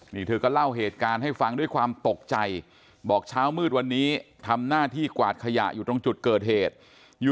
นี่เธอก็เล่าเหตุการณ์ให้ฟังด้วยความตกใจบอกเช้ามืดวันนี้ทำหน้าที่กวาดขยะอยู่ตรงจุดเกิดเหตุอยู่